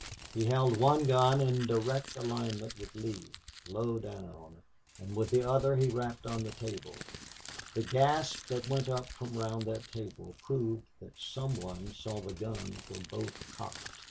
He held one gun in direct alignment with Lee, low down, and with the other he rapped on the table. The gasp that went up from round that table proved that some one saw the guns were both cocked.